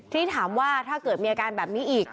ที่ถามว่าถ้าเกิดมีอาการแบบนี้อีก